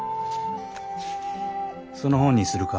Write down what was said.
その本にするか？